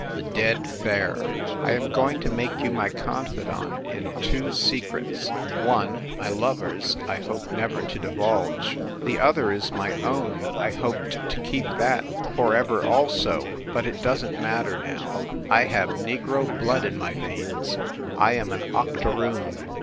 THE DEAD FARE I am going to make you my confidant in two se crets one, my lover s I hoped never to divulge. The other is my own I hoped to keep that for ever SCHEFFEL HALL 31 also; but it doesn t matter now. ... I have negro blood in my veins; I am an octoroon.